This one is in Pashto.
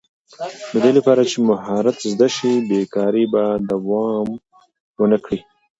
د دې لپاره چې مهارت زده شي، بېکاري به دوام ونه کړي.